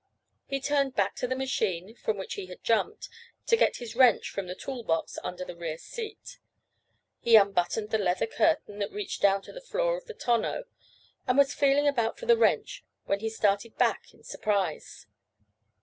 He turned back to the machine, from which he had jumped, to get his wrench from the tool box under the rear seat. He unbuttoned the leather curtain that reached down to the floor of the tonneau, and was feeling about for the wrench when he started back in surprise.